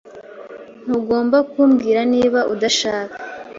Ntugomba kumbwira niba udashaka.